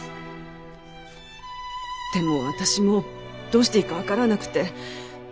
でも私もうどうしていいか分からなくて。